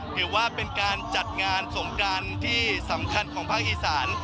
ถือว่าเป็นการจัดงานสงกรานที่สำคัญของภาคอีสาน